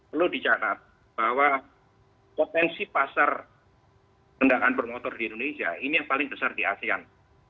perlu dicatat bahwa potensi pasar kendaraan bermotor di indonesia ini yang paling besar di asean